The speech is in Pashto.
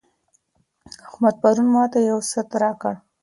احمد پرون ماته یو ساعت راکړی.